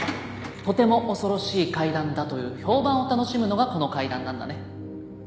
とても恐ろしい怪談だという評判を楽しむのがこの怪談なんだね。